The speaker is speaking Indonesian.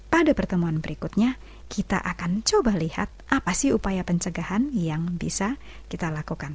pada pertemuan berikutnya kita akan coba lihat apa sih upaya pencegahan yang bisa kita lakukan